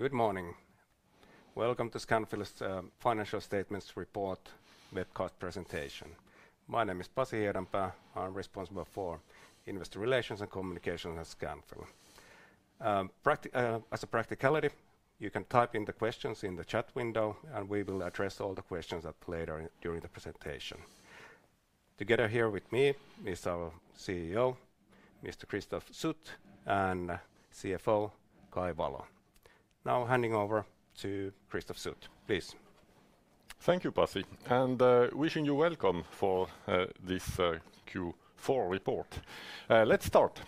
Good morning. Welcome to Scanfil's financial statements report webcast presentation. My name is Pasi Hiedanpää. I'm responsible for investor relations and communications at Scanfil. As a practicality, you can type in the questions in the chat window, and we will address all the questions later during the presentation. Together here with me is our CEO, Mr. Christophe Sut, and CFO, Kai Valo. Now handing over to Christophe Sut, please. Thank you, Pasi, and wishing you welcome for this Q4 report. Let's start.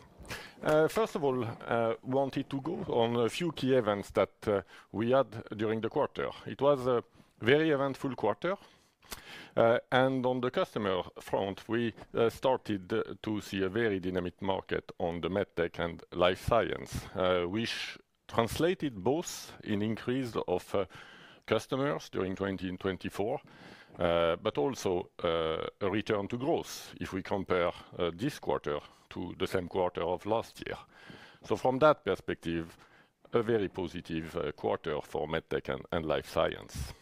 First of all, I wanted to go on a few key events that we had during the quarter. It was a very eventful quarter, and on the customer front, we started to see a very dynamic market on the Medtech and Life Science, which translated both in increase of customers during 2024, but also a return to growth if we compare this quarter to the same quarter of last year, so from that perspective, a very positive quarter for Medtech and Life Science.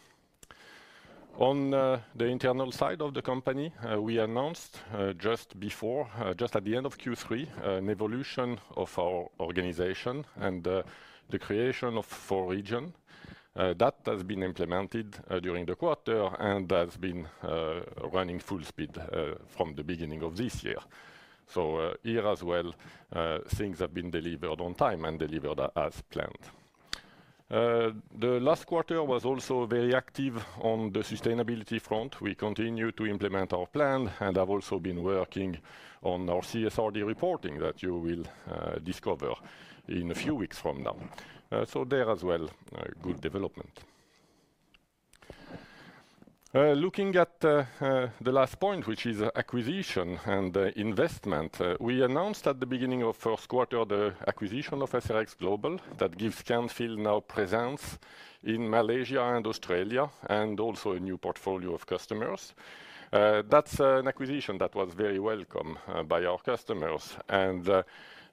On the internal side of the company, we announced just before, just at the end of Q3, an evolution of our organization and the creation of four regions. That has been implemented during the quarter and has been running full speed from the beginning of this year. So here as well, things have been delivered on time and delivered as planned. The last quarter was also very active on the sustainability front. We continue to implement our plan and have also been working on our CSRD reporting that you will discover in a few weeks from now. So there as well, good development. Looking at the last point, which is acquisition and investment, we announced at the beginning of first quarter the acquisition of SRXGlobal. That gives Scanfil now presence in Malaysia and Australia, and also a new portfolio of customers. That's an acquisition that was very welcome by our customers, and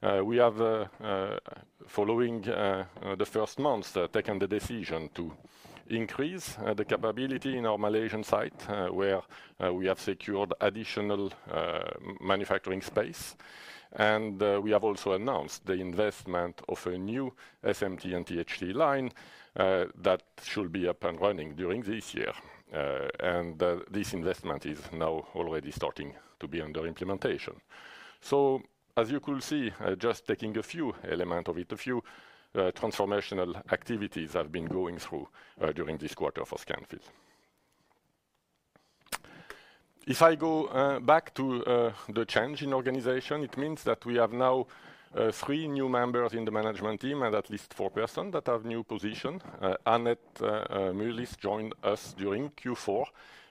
we have, following the first months, taken the decision to increase the capability in our Malaysian site where we have secured additional manufacturing space. We have also announced the investment of a new SMT and THT line that should be up and running during this year. And this investment is now already starting to be under implementation. So as you could see, just taking a few elements of it, a few transformational activities have been going through during this quarter for Scanfil. If I go back to the change in organization, it means that we have now three new members in the management team and at least four persons that have new positions. Anette Mullis joined us during Q4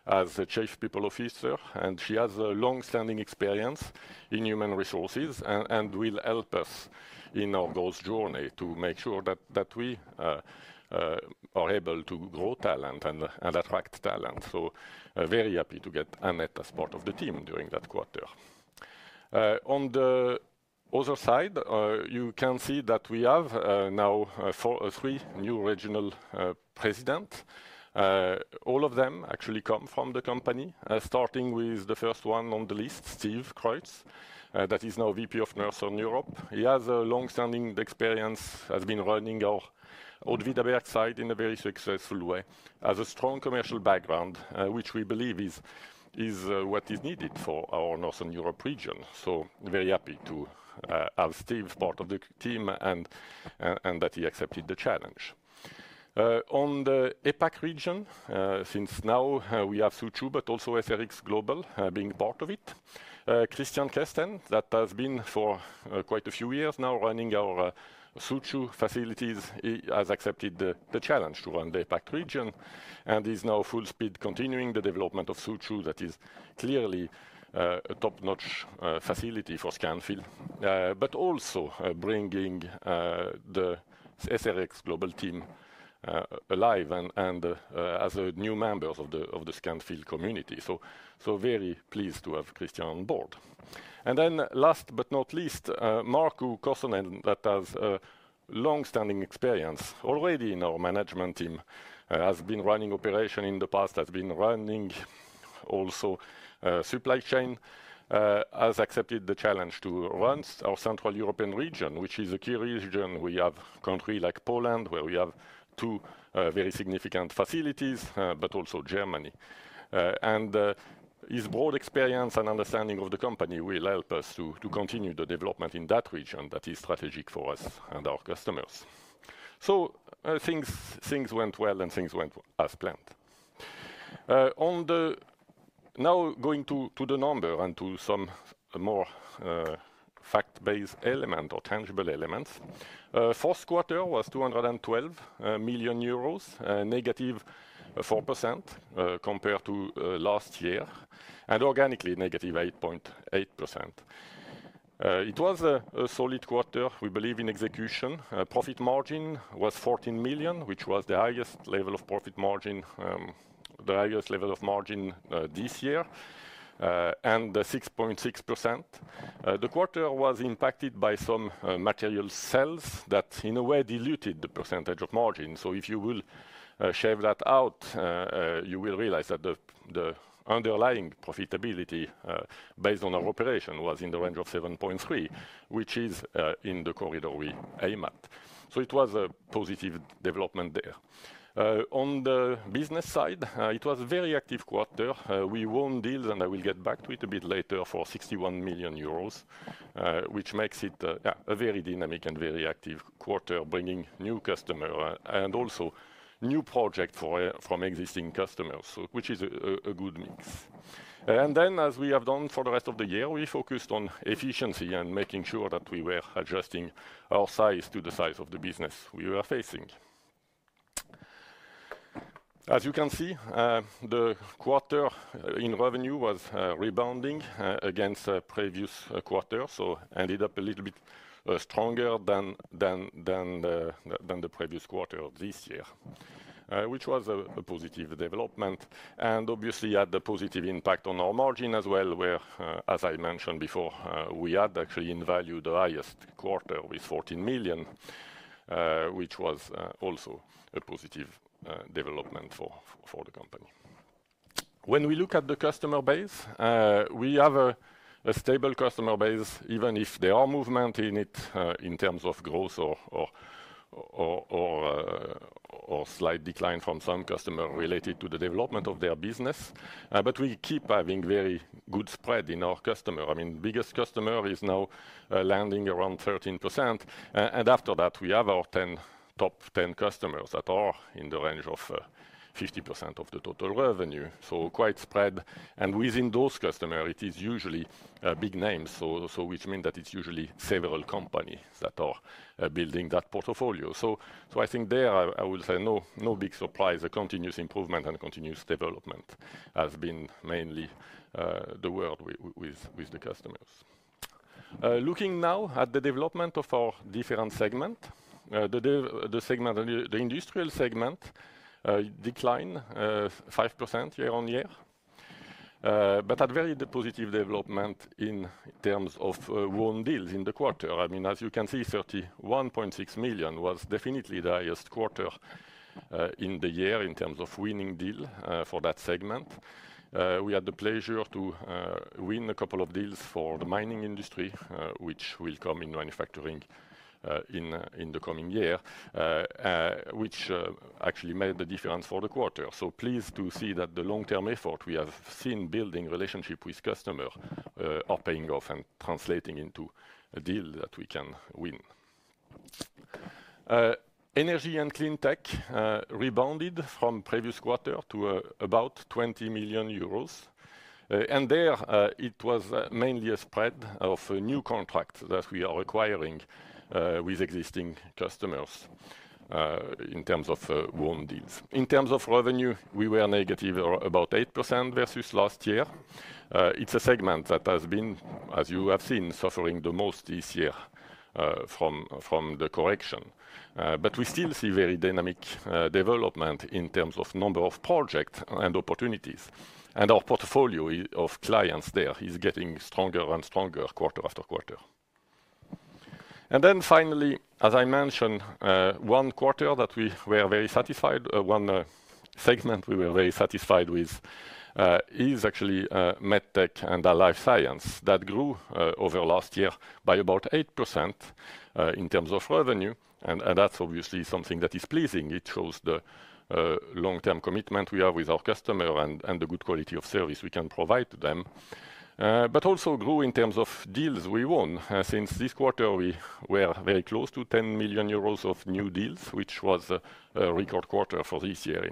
as Chief People Officer, and she has a long-standing experience in human resources and will help us in our growth journey to make sure that we are able to grow talent and attract talent. So very happy to get Anette as part of the team during that quarter. On the other side, you can see that we have now three new regional presidents. All of them actually come from the company, starting with the first one on the list, Steve Creutz, that is now VP of Northern Europe. He has a long-standing experience, has been running our Åtvidaberg site in a very successful way, has a strong commercial background, which we believe is what is needed for our Northern Europe region. So very happy to have Steve as part of the team and that he accepted the challenge. On the APAC region, since now we have Suzhou, but also SRXGlobal being part of it. Christian Kesten, that has been for quite a few years now running our Suzhou facilities, has accepted the challenge to run the APAC region and is now full speed continuing the development of Suzhou that is clearly a top-notch facility for Scanfil, but also bringing the SRXGlobal team alive and as new members of the Scanfil community. So very pleased to have Christian on board. And then last but not least, Markku Kosunen, that has long-standing experience already in our management team, has been running operation in the past, has been running also supply chain, has accepted the challenge to run our Central European region, which is a key region. We have a country like Poland where we have two very significant facilities, but also Germany. His broad experience and understanding of the company will help us to continue the development in that region that is strategic for us and our customers. Things went well and things went as planned. Now going to the number and to some more fact-based elements or tangible elements. First quarter was EUR 212 million, -4% compared to last year and organically -8.8%. It was a solid quarter, we believe, in execution. Profit margin was 14 million, which was the highest level of profit margin, the highest level of margin this year and 6.6%. The quarter was impacted by some material sales that in a way diluted the percentage of margin. If you will shave that out, you will realize that the underlying profitability based on our operation was in the range of 7.3, which is in the corridor we aim at. It was a positive development there. On the business side, it was a very active quarter. We won deals and I will get back to it a bit later for 61 million euros, which makes it a very dynamic and very active quarter, bringing new customers and also new projects from existing customers, which is a good mix. As we have done for the rest of the year, we focused on efficiency and making sure that we were adjusting our size to the size of the business we were facing. As you can see, the quarter in revenue was rebounding against the previous quarter, so ended up a little bit stronger than the previous quarter this year, which was a positive development and obviously had a positive impact on our margin as well, where, as I mentioned before, we had actually in value the highest quarter with 14 million, which was also a positive development for the company. When we look at the customer base, we have a stable customer base, even if there are movements in it in terms of growth or slight decline from some customers related to the development of their business, but we keep having very good spread in our customers. I mean, the biggest customer is now landing around 13%, and after that we have our top 10 customers that are in the range of 50% of the total revenue, so quite spread. Within those customers, it is usually big names, which means that it's usually several companies that are building that portfolio. So I think there I will say no big surprise. The continuous improvement and continuous development has been mainly the work with the customers. Looking now at the development of our different segments, the Industrial segment declined 5% year on year, but had very positive development in terms of won deals in the quarter. I mean, as you can see, 1.6 million was definitely the highest quarter in the year in terms of winning deal for that segment. We had the pleasure to win a couple of deals for the mining industry, which will come in manufacturing in the coming year, which actually made the difference for the quarter. are pleased to see that the long-term effort we have seen building relationship with customers are paying off and translating into a deal that we can win. Energy and Cleantech rebounded from previous quarter to about 20 million euros, and there it was mainly a spread of new contracts that we are acquiring with existing customers in terms of won deals. In terms of revenue, we were negative about 8% versus last year. It's a segment that has been, as you have seen, suffering the most this year from the correction, but we still see very dynamic development in terms of number of projects and opportunities, and our portfolio of clients there is getting stronger and stronger quarter after quarter. Then finally, as I mentioned, one quarter that we were very satisfied,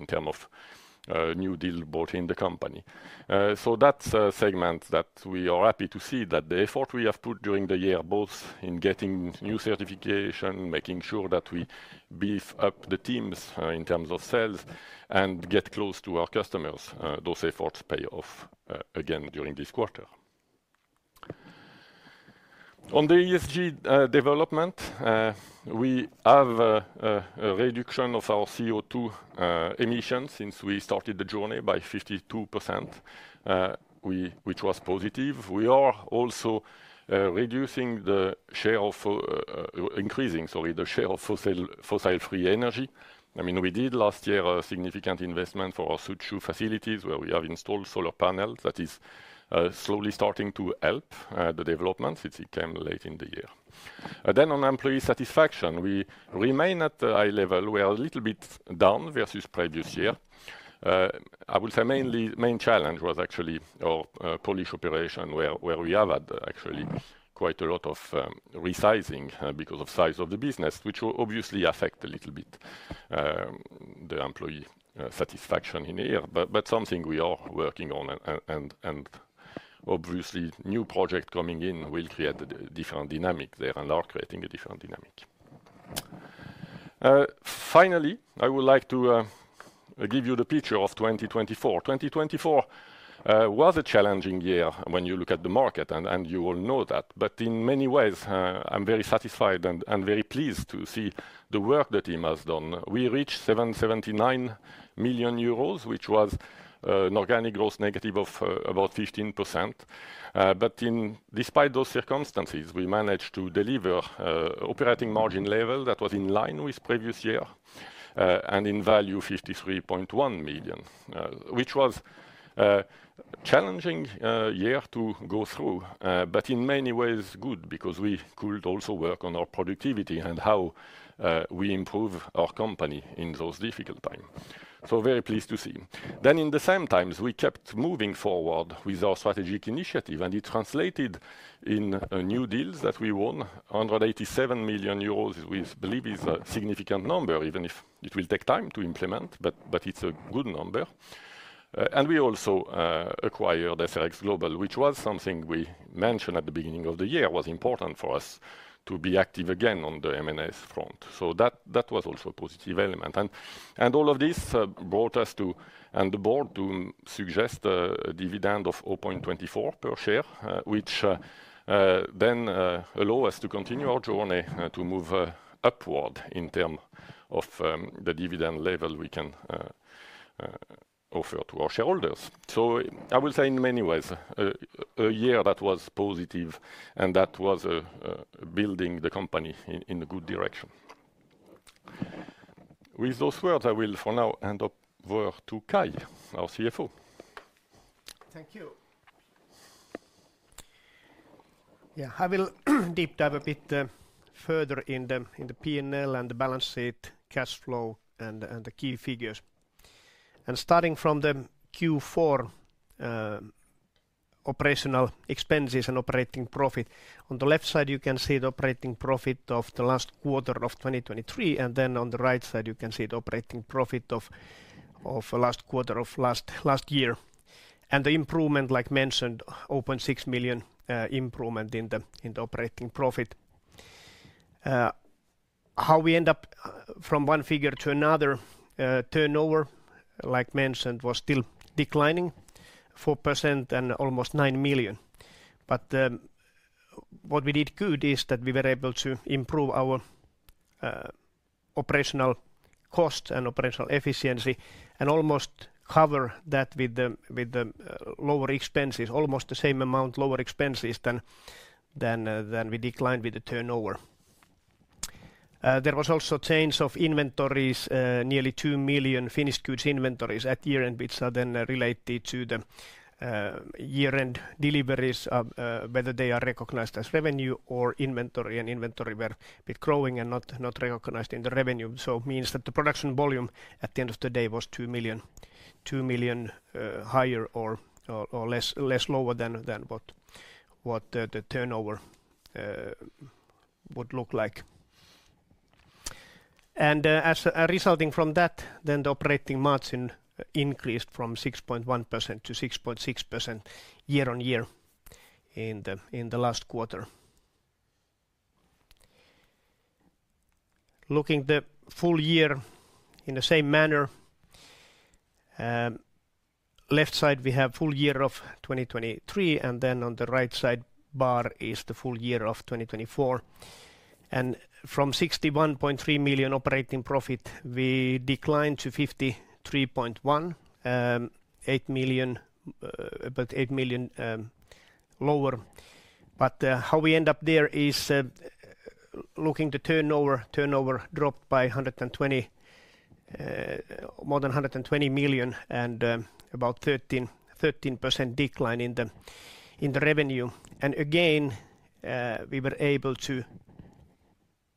On the ESG development, we have a reduction of our CO2 emissions since we started the journey by 52%, which was positive. We are also reducing the share of increasing, sorry, the share of fossil-free energy. I mean, we did last year a significant investment for our Suzhou facilities where we have installed solar panels that is slowly starting to help the development since it came late in the year. Then on employee satisfaction, we remain at the high level. We are a little bit down versus previous year. I would say main challenge was actually our Polish operation where we have had actually quite a lot of resizing because of size of the business, which obviously affects a little bit the employee satisfaction in here, but something we are working on and obviously new projects coming in will create a different dynamic there and are creating a different dynamic. Finally, I would like to give you the picture of 2024. 2024 was a challenging year when you look at the market and you will know that, but in many ways I'm very satisfied and very pleased to see the work that team has done. We reached 779 million euros, which was an organic growth negative of about 15%, but despite those circumstances, we managed to deliver operating margin level that was in line with previous year and in value 53.1 million, which was a challenging year to go through, but in many ways good because we could also work on our productivity and how we improve our company in those difficult times. So very pleased to see. Then in the same times, we kept moving forward with our strategic initiative and it translated in new deals that we won, 187 million euros, which I believe is a significant number, even if it will take time to implement, but it's a good number. And we also acquired SRXGlobal, which was something we mentioned at the beginning of the year was important for us to be active again on the M&A front. That was also a positive element. All of this brought us and the board to suggest a dividend of 0.24 per share, which then allowed us to continue our journey to move upward in terms of the dividend level we can offer to our shareholders. I will say in many ways a year that was positive and that was building the company in a good direction. With those words, I will for now hand over to Kai, our CFO. Thank you. Yeah, I will deep dive a bit further in the P&L and the balance sheet, cash flow, and the key figures. Starting from the Q4 operational expenses and operating profit, on the left side you can see the operating profit of the last quarter of 2023, and then on the right side you can see the operating profit of last quarter of last year. The improvement, like mentioned, 0.6 million improvement in the operating profit. How we end up from one figure to another turnover, like mentioned, was still declining 4% and almost 9 million. What we did good is that we were able to improve our operational costs and operational efficiency and almost cover that with the lower expenses, almost the same amount lower expenses than we declined with the turnover. There was also change of inventories, nearly 2 million finished goods inventories at year-end, which are then related to the year-end deliveries, whether they are recognized as revenue or inventory. Inventory were a bit growing and not recognized in the revenue, so it means that the production volume at the end of the day was 2 million higher or less lower than what the turnover would look like. As a result of that, then the operating margin increased from 6.1% to 6.6% year on year in the last quarter. Looking at the full year in the same manner, on the left side we have full year of 2023, and then on the right side bar is the full year of 2024. From 61.3 million operating profit, we declined to 53.1 million, about 8 million lower. But how we end up there is looking at the turnover, turnover dropped by more than 120 million and about 13% decline in the revenue. And again, we were able to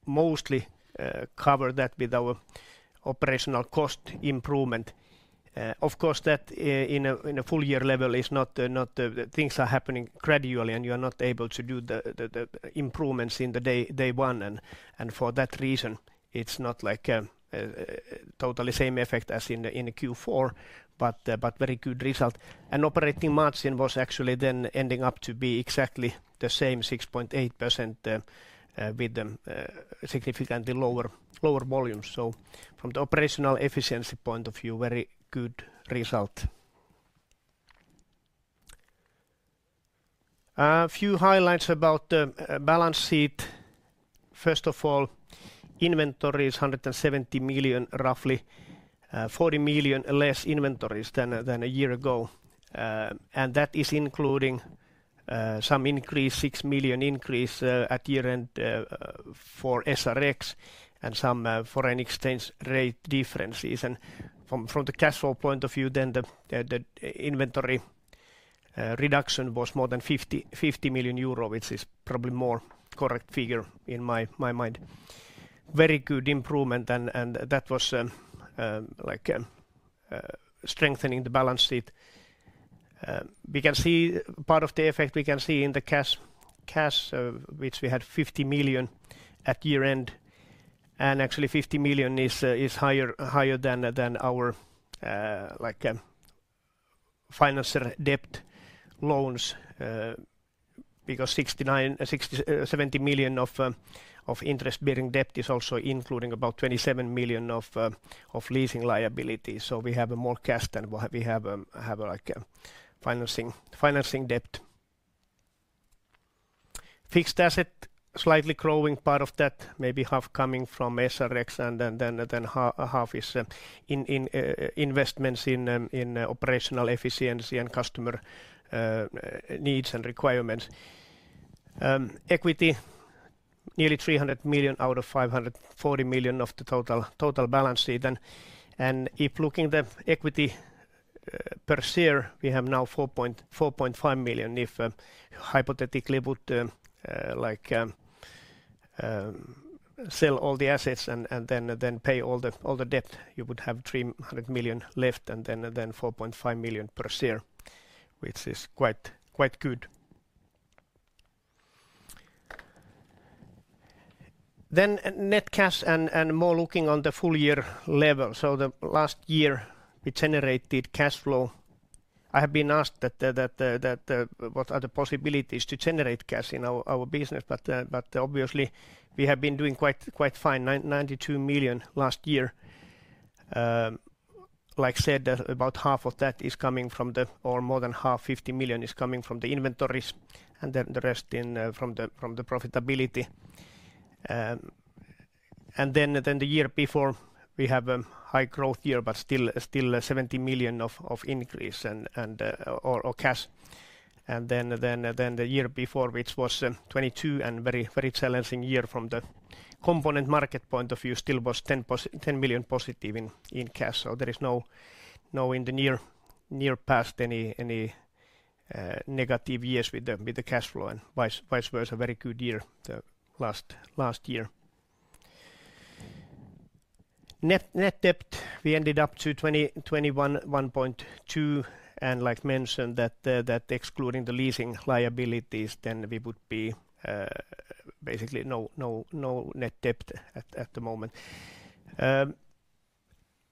mostly cover that with our operational cost improvement. Of course, that in a full year level is not things are happening gradually and you are not able to do the improvements in the day one, and for that reason it's not like totally same effect as in Q4, but very good result. Operating margin was actually then ending up to be exactly the same 6.8% with significantly lower volumes. From the operational efficiency point of view, very good result. A few highlights about the balance sheet. First of all, inventories 170 million, roughly 40 million less inventories than a year ago, and that is including some increase, 6 million increase at year-end for SRX and some foreign exchange rate differences. From the cash flow point of view, then the inventory reduction was more than 50 million euro, which is probably more correct figure in my mind. Very good improvement, and that was like strengthening the balance sheet. We can see part of the effect we can see in the cash, which we had 50 million at year-end, and actually 50 million is higher than our financial debt loans because 70 million of interest-bearing debt is also including about 27 million of leasing liabilities, so we have more cash than we have financial debt. Fixed assets slightly growing, part of that maybe half coming from SRX and then half is investments in operational efficiency and customer needs and requirements. Equity nearly 300 million out of 540 million of the total balance sheet, and if looking at the equity per share, we have now 4.5. If hypothetically we would sell all the assets and then pay all the debt, you would have 300 million left and then 4.5 per share, which is quite good. Then net cash and more looking on the full year level. The last year we generated cash flow. I have been asked what are the possibilities to generate cash in our business, but obviously we have been doing quite fine, 92 million last year. Like said, about half of that is coming from the or more than half, 50 million is coming from the inventories and then the rest from the profitability. The year before, we have a high growth year, but still 70 million of increase or cash. The year before, which was 2022 and very challenging year from the component market point of view, still was 10 million positive in cash. There is no in the near past any negative years with the cash flow and vice versa, very good year last year. Net debt, we ended up to 21.2, and like mentioned that excluding the leasing liabilities, then we would be basically no net debt at the moment.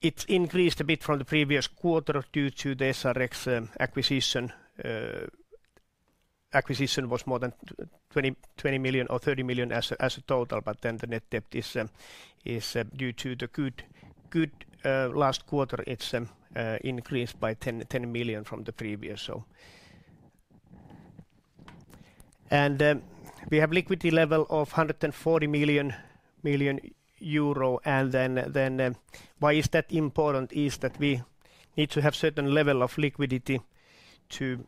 It's increased a bit from the previous quarter due to the SRX acquisition. Acquisition was more than 20 million or 30 million as a total, but then the net debt is due to the good last quarter, it's increased by 10 million from the previous. And we have liquidity level of 140 million, and then why is that important is that we need to have certain level of liquidity to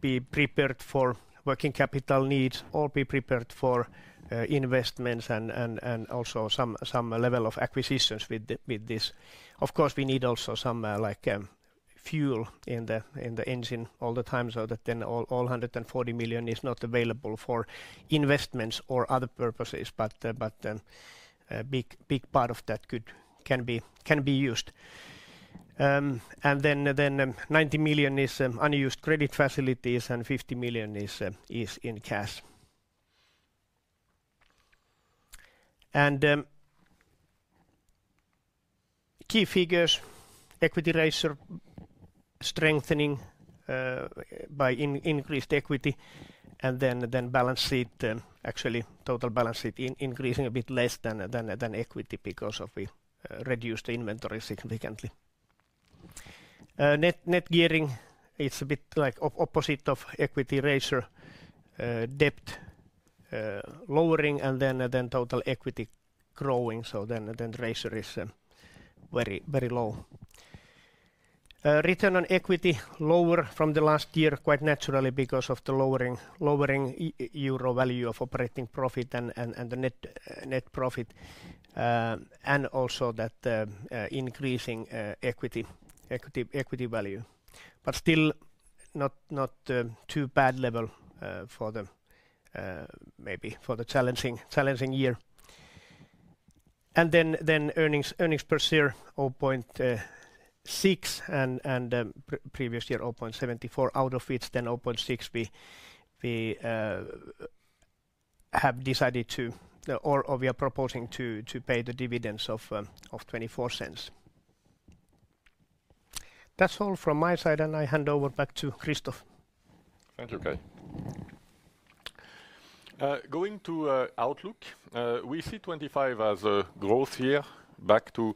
be prepared for working capital needs or be prepared for investments and also some level of acquisitions with this. Of course, we need also some fuel in the engine all the time so that then all 140 million is not available for investments or other purposes, but then a big part of that can be used. And then 90 million is unused credit facilities and 50 million is in cash. And key figures, equity ratio strengthening by increased equity and then balance sheet, actually total balance sheet increasing a bit less than equity because we reduced the inventory significantly. Net gearing, it's a bit like opposite of equity ratio debt lowering and then total equity growing, so then the ratio is very low. Return on equity lower from the last year quite naturally because of the lowering euro value of operating profit and the net profit and also that increasing equity value. But still not too bad level maybe for the challenging year. Then earnings per share, 0.6 and previous year 0.74 out of which then 0.6 we have decided to or we are proposing to pay the dividends of 0.24. That's all from my side and I hand over back to Christophe. Thank you, Kai. Going to Outlook, we see 2025 as a growth year back to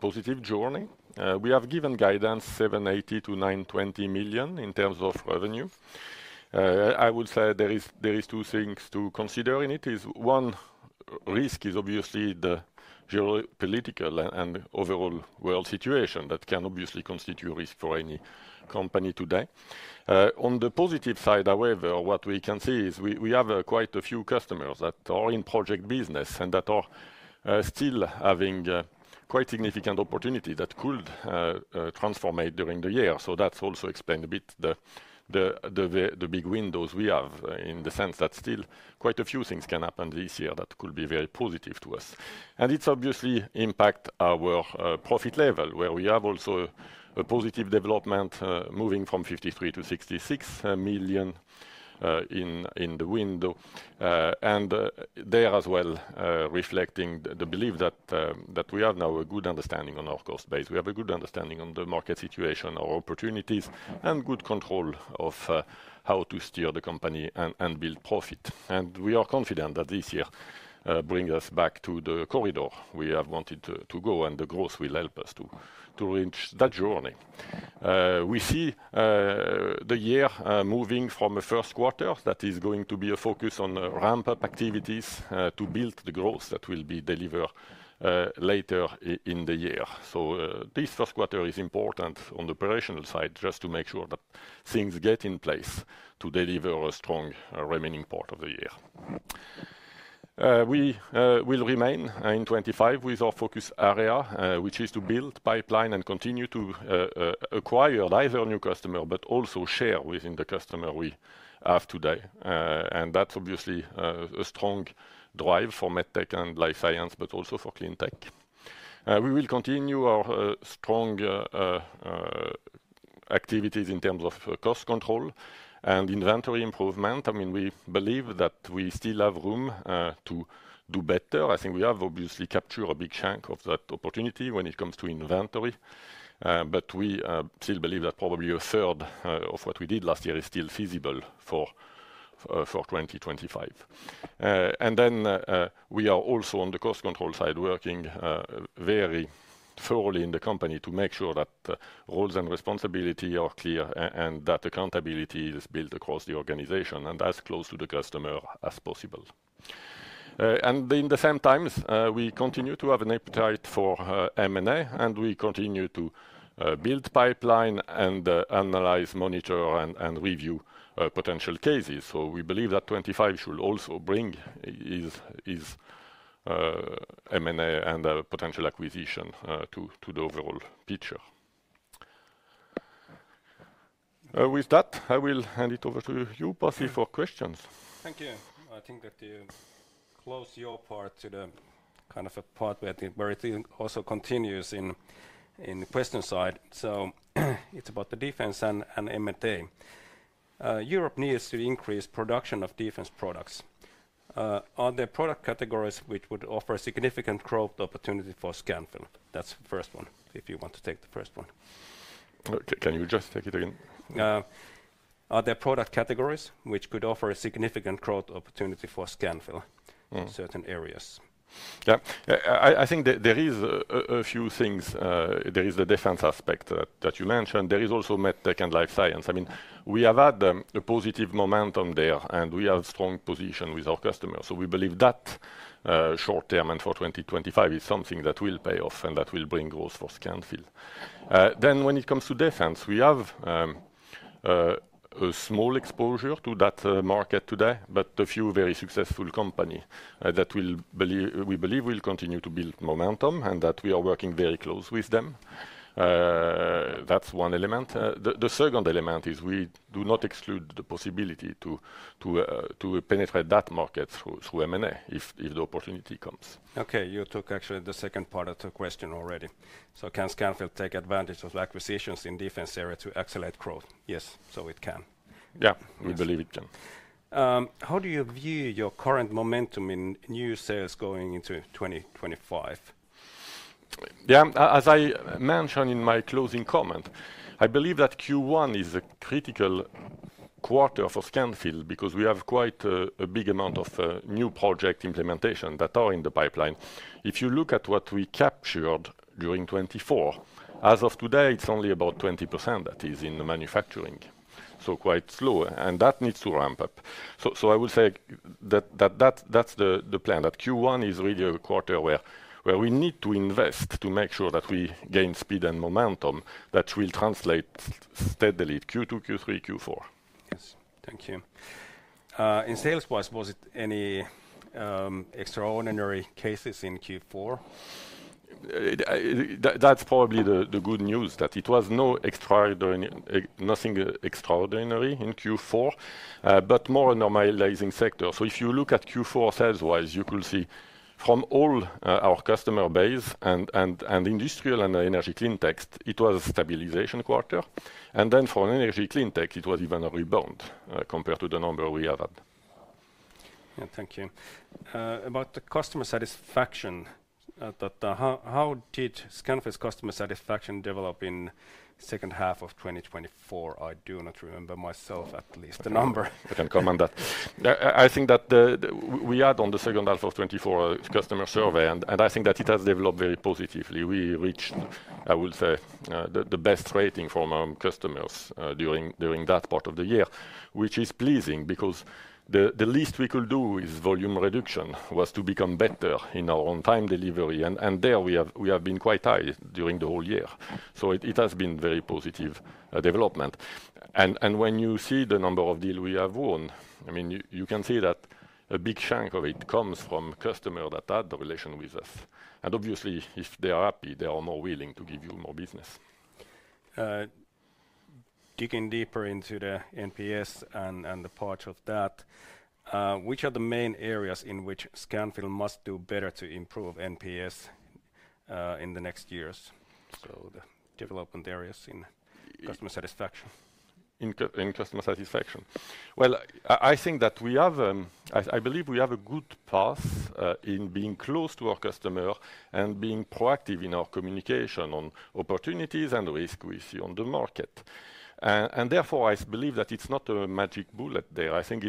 positive journey. We have given guidance 780 million-920 million in terms of revenue. I would say there are two things to consider in it. One risk is obviously the geopolitical and overall world situation that can obviously constitute risk for any company today. On the positive side, however, what we can see is we have quite a few customers that are in project business and that are still having quite significant opportunity that could materialize during the year. That’s also explained a bit the big windows we have in the sense that still quite a few things can happen this year that could be very positive to us. It’s obviously impact our profit level where we have also a positive development moving from 53 million to 66 million in the window. And there as well reflecting the belief that we have now a good understanding on our cost base. We have a good understanding on the market situation, our opportunities, and good control of how to steer the company and build profit. We are confident that this year brings us back to the corridor we have wanted to go and the growth will help us to reach that journey. We see the year moving from a first quarter that is going to be a focus on ramp-up activities to build the growth that will be delivered later in the year. So this first quarter is important on the operational side just to make sure that things get in place to deliver a strong remaining part of the year. We will remain in 2025 with our focus area, which is to build pipeline and continue to acquire either new customers but also share within the customer we have today. And that's obviously a strong drive for Medtech and Life Science, but also for Cleantech. We will continue our strong activities in terms of cost control and inventory improvement. I mean, we believe that we still have room to do better. I think we have obviously captured a big chunk of that opportunity when it comes to inventory, but we still believe that probably a third of what we did last year is still feasible for 2025. And then we are also on the cost control side working very thoroughly in the company to make sure that roles and responsibility are clear and that accountability is built across the organization and as close to the customer as possible. And at the same time, we continue to have an appetite for M&A and we continue to build pipeline and analyze, monitor, and review potential cases. So we believe that 25 should also bring M&A and potential acquisition to the overall picture. With that, I will hand it over to you, Pasi, for questions. Thank you. I think that you close your part to the kind of a part where it also continues in the question side. So it's about the defense and M&A. Europe needs to increase production of defense products. Are there product categories which would offer significant growth opportunity for Scanfil? That's the first one, if you want to take the first one. Can you just take it again? Are there product categories which could offer a significant growth opportunity for Scanfil in certain areas? Yeah, I think there are a few things. There is the defense aspect that you mentioned. There is also Medtech and Life Science. I mean, we have had a positive momentum there and we have a strong position with our customers. So we believe that short term and for 2025 is something that will pay off and that will bring growth for Scanfil. Then, when it comes to defense, we have a small exposure to that market today, but a few very successful companies that we believe will continue to build momentum and that we are working very close with them. That's one element. The second element is we do not exclude the possibility to penetrate that market through M&A if the opportunity comes. Okay, you took actually the second part of the question already. So can Scanfil take advantage of acquisitions in defense area to accelerate growth? Yes, so it can. Yeah, we believe it can. How do you view your current momentum in new sales going into 2025? Yeah, as I mentioned in my closing comment, I believe that Q1 is a critical quarter for Scanfil because we have quite a big amount of new project implementation that are in the pipeline. If you look at what we captured during 2024, as of today, it's only about 20% that is in manufacturing. So quite slow, and that needs to ramp up. So I would say that that's the plan, that Q1 is really a quarter where we need to invest to make sure that we gain speed and momentum that will translate steadily Q2, Q3, Q4. Yes, thank you. In sales wise, was it any extraordinary cases in Q4? That's probably the good news that it was nothing extraordinary in Q4, but more normalizing sector. So if you look at Q4 sales wise, you could see from all our customer base and Industrial and Energy Cleantech, it was a stabilization quarter. And then for Energy Cleantech, it was even a rebound compared to the number we have had. Thank you. About the customer satisfaction, how did Scanfil's customer satisfaction develop in the second half of 2024? I do not remember myself at least the number. I can comment that. I think that we had on the second half of 2024 customer survey, and I think that it has developed very positively. We reached, I would say, the best rating from our customers during that part of the year, which is pleasing because the least we could do is volume reduction was to become better in our on-time delivery. And there we have been quite high during the whole year. So it has been a very positive development. And when you see the number of deals we have won, I mean, you can see that a big chunk of it comes from customers that had a relation with us. Obviously, if they are happy, they are more willing to give you more business. Digging deeper into the NPS and the part of that, which are the main areas in which Scanfil must do better to improve NPS in the next years? The development areas in customer satisfaction. In customer satisfaction. I think that we have, I believe we have a good path in being close to our customer and being proactive in our communication on opportunities and risks we see on the market. Therefore, I believe that it's not a magic bullet there. I think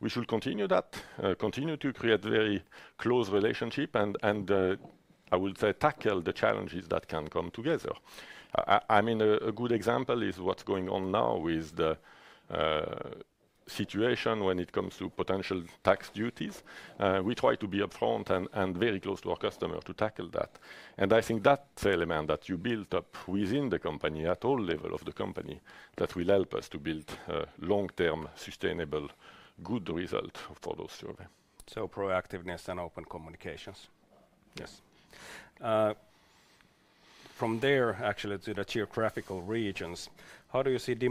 we should continue that, continue to create a very close relationship and I would say tackle the challenges that can come together. I mean, a good example is what's going on now with the situation when it comes to potential tax duties. We try to be upfront and very close to our customer to tackle that, and I think that element that you build up within the company at all levels of the company that will help us to build a long-term sustainable good result for those surveys, so proactiveness and open communications. Yes. From there, actually, to the geographical regions, how do you see demand outlook geographically in Europe, China, and the rest of the world? Yeah, I will say that obviously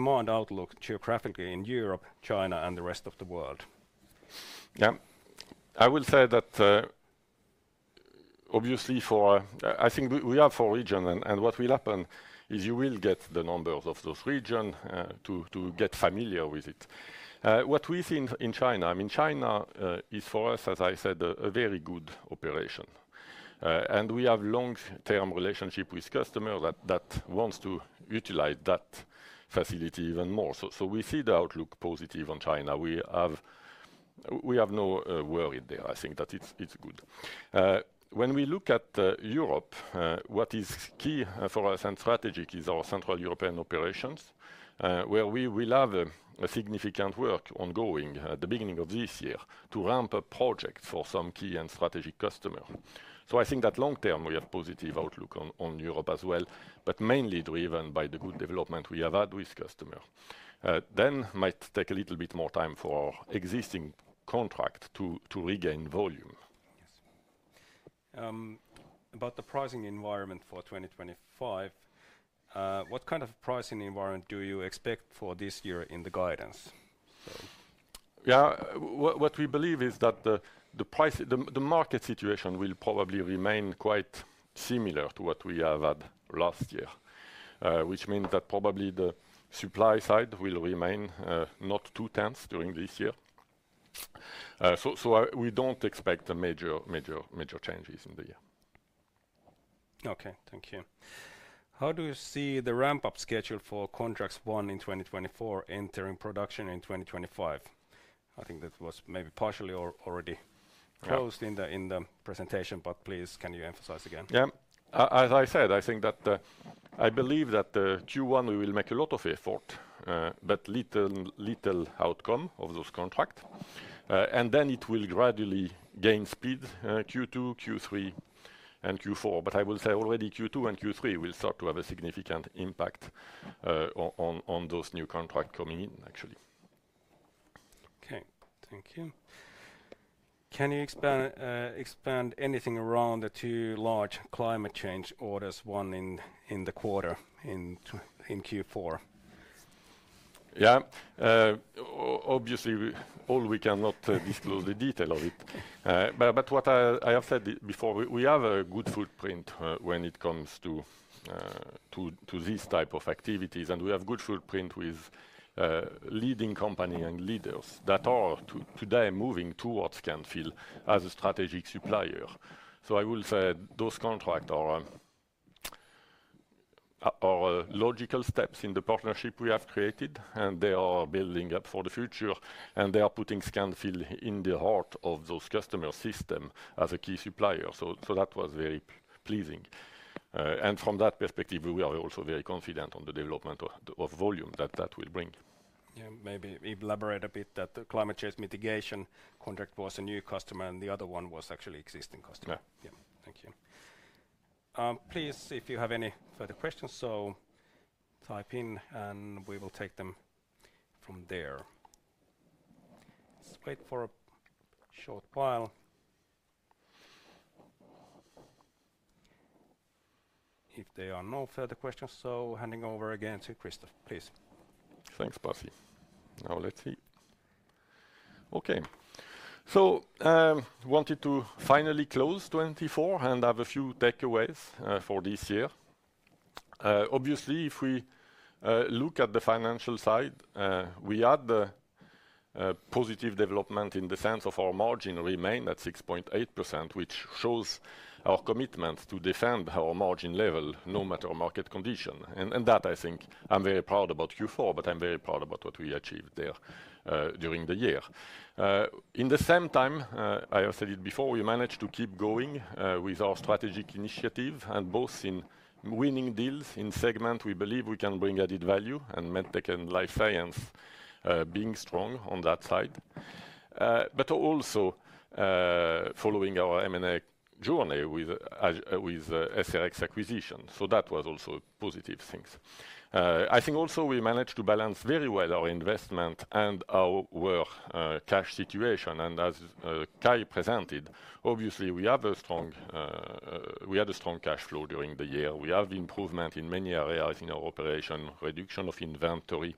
for, I think we have four regions, and what will happen is you will get the numbers of those regions to get familiar with it. What we see in China, I mean, China is for us, as I said, a very good operation, and we have a long-term relationship with customers that want to utilize that facility even more, so we see the outlook positive on China. We have no worry there. I think that it's good. When we look at Europe, what is key for us and strategic is our Central European operations, where we will have significant work ongoing at the beginning of this year to ramp up projects for some key and strategic customers. So I think that long-term we have a positive outlook on Europe as well, but mainly driven by the good development we have had with customers. Then it might take a little bit more time for our existing contract to regain volume. About the pricing environment for 2025, what kind of pricing environment do you expect for this year in the guidance? Yeah, what we believe is that the market situation will probably remain quite similar to what we have had last year, which means that probably the supply side will remain not too tense during this year. So we don't expect major changes in the year. Okay, thank you. How do you see the ramp-up schedule for contracts won in 2024 entering production in 2025? I think that was maybe partially already closed in the presentation, but please, can you emphasize again? Yeah, as I said, I think that I believe that Q1 we will make a lot of effort, but little outcome of those contracts. And then it will gradually gain speed Q2, Q3, and Q4. But I will say already Q2 and Q3 will start to have a significant impact on those new contracts coming in, actually. Okay, thank you. Can you expand anything around the two large climate change orders won in the quarter in Q4? Yeah, obviously, we cannot disclose all the details of it. But what I have said before, we have a good footprint when it comes to these types of activities, and we have a good footprint with leading companies and leaders that are today moving towards Scanfil as a strategic supplier. So I will say those contracts are logical steps in the partnership we have created, and they are building up for the future, and they are putting Scanfil in the heart of those customer systems as a key supplier. So that was very pleasing. And from that perspective, we are also very confident on the development of volume that that will bring. Yeah, maybe elaborate a bit that the climate change mitigation contract was a new customer and the other one was actually an existing customer. Yeah, thank you. Please, if you have any further questions, so type in and we will take them from there. Let's wait for a short while. If there are no further questions, so handing over again to Christophe, please. Thanks, Pasi. Now let's see. Okay, so I wanted to finally close 2024 and have a few takeaways for this year. Obviously, if we look at the financial side, we had positive development in the sense of our margin remained at 6.8%, which shows our commitment to defend our margin level no matter market condition. And that, I think, I'm very proud about Q4, but I'm very proud about what we achieved there during the year. In the same time, I have said it before, we managed to keep going with our strategic initiative and both in winning deals in segment. We believe we can bring added value and Medtech and Life Science being strong on that side. But also following our M&A journey with SRX acquisition. So that was also positive things. I think also we managed to balance very well our investment and our cash situation. And as Kai presented, obviously we have a strong cash flow during the year. We have improvement in many areas in our operation, reduction of inventory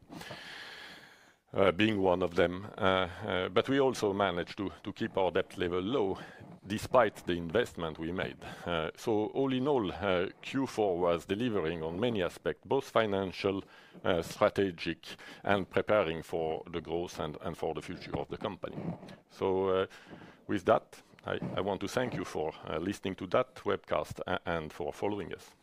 being one of them. But we also managed to keep our debt level low despite the investment we made. So all in all, Q4 was delivering on many aspects, both financial, strategic, and preparing for the growth and for the future of the company. So with that, I want to thank you for listening to that webcast and for following us.